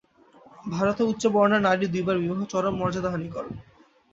ভারতে উচ্চবর্ণের নারীর দুইবার বিবাহ চরম মর্যাদাহানিকর।